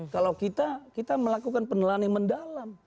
kalau kita kita melakukan pendalaman mendalam